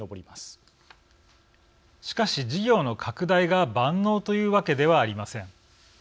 しかし事業の拡大が万能というわけではありません。